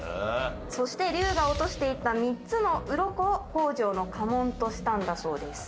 そして龍が落としていった３つの鱗を北条の家紋としたんだそうです。